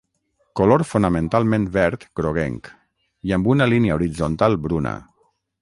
Color fonamentalment verd groguenc i amb una línia horitzontal bruna.